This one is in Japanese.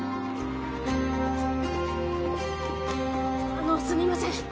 あのすみません！